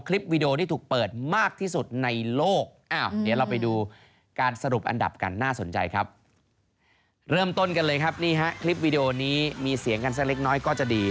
เริ่มต้นกันเลยครับนี่ฮะคลิปวีดีโอนี้มีเสียงกันสักเล็กน้อยก็จะดี